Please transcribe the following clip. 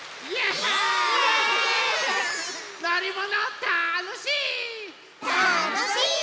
たのしい！